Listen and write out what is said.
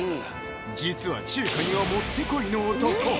実は中華にはもってこいの男